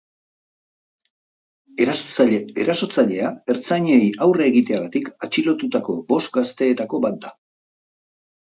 Erasotzailea ertzainei aurre egiteagatik atxilotutako bost gazteetako bat da.